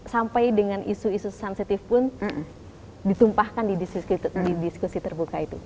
sampai dengan isu isu sensitif pun ditumpahkan di diskusi terbuka itu